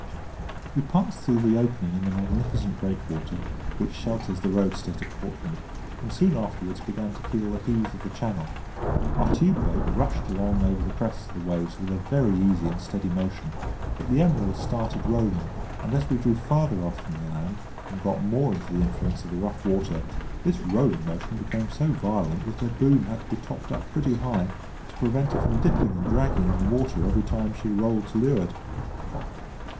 We passed through the opening in the magnificent breakwater which shelters the roadstead at Portland, and soon afterwards began to feel the heave of the Channel. Our tube boat rushed along over the crests of the waves with a very easy and steady motion, but the Emerald started rolling; and as we drew farther off the land, and got more into the influence of the rough water, this rolling motion became so violent that her boom had to be topped up pretty high to prevent it from dipping and dragging in the water every time she rolled to leeward.